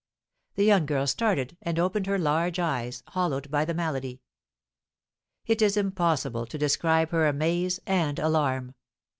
The young girl started and opened her large eyes, hollowed by the malady. It is impossible to describe her amaze and alarm.